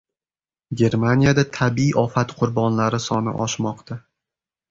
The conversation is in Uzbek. Germaniyada tabiiy ofat qurbonlari soni oshmoqda